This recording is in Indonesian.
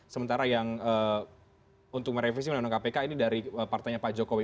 sementara yang untuk merevisi undang undang kpk ini dari partainya pak jokowi